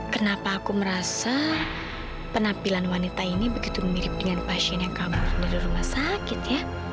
kenapa aku merasa penampilan wanita ini begitu mirip dengan pasien yang kamu di rumah sakit ya